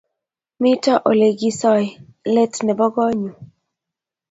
Mito ole kisae let nebo konnyu